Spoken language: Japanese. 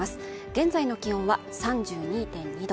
現在の気温は３２．２度